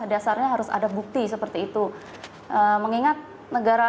dasarnya harus ada bukti seperti itu mengingat negara